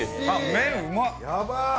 麺、うまっ。